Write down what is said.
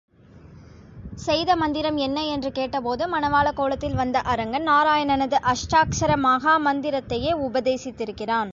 செய்த மந்திரம் என்ன என்று கேட்டபோது, மணவாளக் கோலத்தில் வந்த அரங்கன் நாராயணனது அஷ்டாக்ஷர மகா மந்திரத்தையே உபதேசித்திருக்கிறான்.